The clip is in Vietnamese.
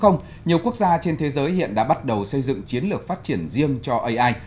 nhiều quốc gia trên thế giới hiện đã bắt đầu xây dựng chiến lược phát triển riêng cho ai